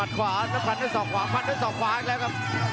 ออกขวางพันด้วยส่องขวาอีกแล้วครับ